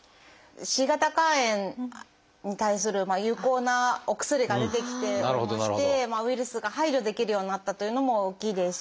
Ｃ型肝炎に対する有効なお薬が出てきておりましてウイルスが排除できるようになったというのも大きいですし。